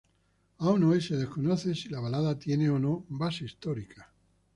Aún hoy, se desconoce si la balada tiene o no base histórica.